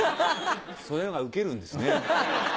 そういうのがウケるんですね。